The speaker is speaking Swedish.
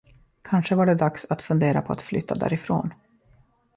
Kanske var det dags att fundera på att flytta därifrån.